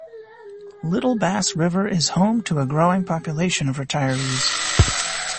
Little Bass River is home to a growing population of retirees.